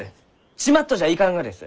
ちまっとじゃいかんがです！